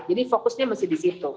fokusnya masih di situ